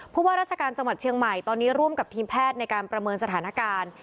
ว่าราชการจังหวัดเชียงใหม่ตอนนี้ร่วมกับทีมแพทย์ในการประเมินสถานการณ์